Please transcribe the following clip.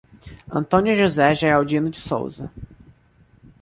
Antônio José Geraldino de Souza